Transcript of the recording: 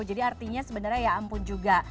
jadi artinya sebenarnya ya ampun juga